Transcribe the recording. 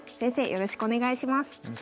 よろしくお願いします。